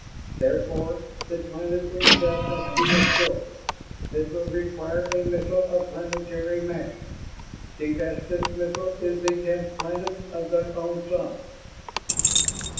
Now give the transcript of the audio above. Therefore the planet itself must be destroyed. This will require a missile of planetary mass. The best such missile is the tenth planet of their own sun."